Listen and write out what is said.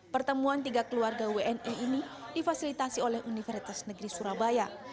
pertemuan tiga keluarga wni ini difasilitasi oleh universitas negeri surabaya